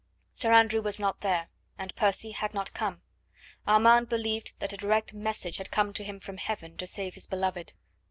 Sir Andrew was not there, and Percy had not come. Armand believed that a direct message had come to him from heaven to save his beloved.